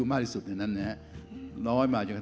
เพราะฉะนั้นเราทำกันเนี่ย